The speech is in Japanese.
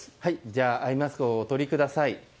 じゃあアイマスクをお取りください。